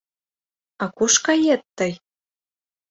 — А куш кает тый?